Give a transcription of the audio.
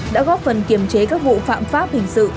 đã góp phần kiềm chế các vụ phạm pháp hình sự